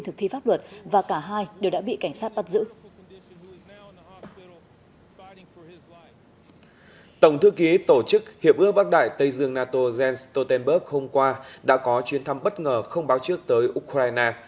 tổng thư ký tổ chức hiệp ước bắc đại tây dương nato jens stoltenberg hôm qua đã có chuyến thăm bất ngờ không báo trước tới ukraine